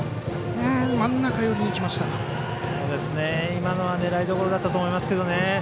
今のは狙いどころだったと思いますけどね。